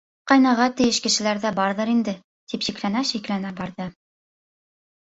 Ҡайнаға тейеш кешеләр ҙә барҙыр инде, тип шикләнә-шикләнә барҙы.